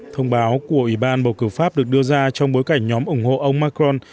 thông báo của ủy ban bầu cử pháp được đưa ra trong bối cảnh nhóm ủng hộ ông macron